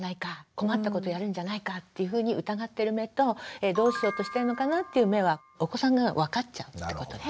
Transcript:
困ったことやるんじゃないか？っていうふうに疑ってる目とどうしようとしてんのかな？っていう目はお子さんが分かっちゃうってことです。